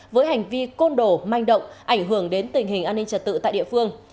với hành vi côn đổ manh động ảnh hưởng đến tình hình an ninh trật tự tại địa phương